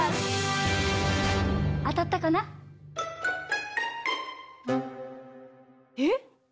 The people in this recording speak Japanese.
あたったかな？え？